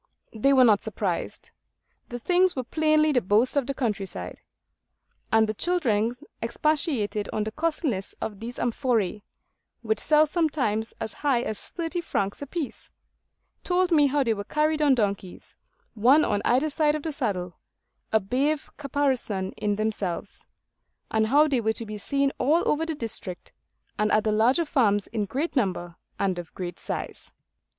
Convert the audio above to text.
They were not surprised. The things were plainly the boast of the countryside. And the children expatiated on the costliness of these amphoræ, which sell sometimes as high as thirty francs apiece; told me how they were carried on donkeys, one on either side of the saddle, a brave caparison in themselves; and how they were to be seen all over the district, and at the larger farms in great number and of great size.